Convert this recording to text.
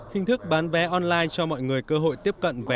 hình thức bán vé online cho mọi người cơ hội tiếp cận vé nhiều hơn